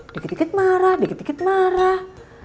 dikit dikit marah dikit dikit marah